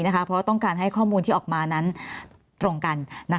เพราะต้องการให้ข้อมูลที่ออกมานั้นตรงกัน